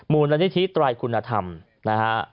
มูลนิธิไตรคุณธรรมนะฮะ